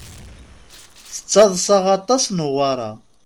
Tettaḍṣa aṭas Newwara.